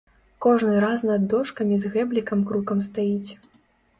Кожны раз над дошкамі з гэблікам крукам стаіць.